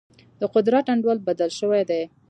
د قدرت انډول بدل شوی دی.